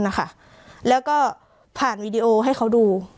ทำไมวิดีโอให้เขาดู